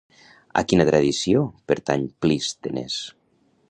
A quina tradició pertany Plístenes?